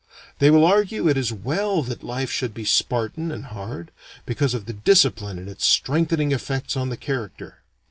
They will argue it is well that life should be Spartan and hard, because of the discipline and its strengthening effects on the character.